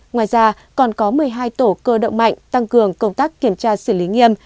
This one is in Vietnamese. ngoài ra còn có một mươi hai tổ cơ động mạnh tăng cường công tác kiểm tra xử lý nghiêm